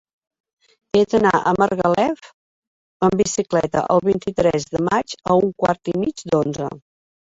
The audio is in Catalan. He d'anar a Margalef amb bicicleta el vint-i-tres de maig a un quart i mig d'onze.